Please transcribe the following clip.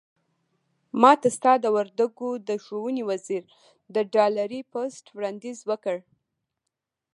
ماته ستا د وردګو د ښوونې وزير د ډالري پست وړانديز وکړ.